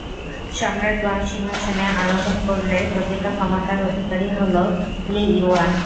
সম্রাট গং সিংহাসনে আরোহণ করলে প্রকৃত ক্ষমতার অধিকারী হল লি ইউয়ান।